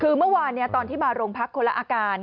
คือเมื่อวานตอนที่มาโรงพักคนละอาการ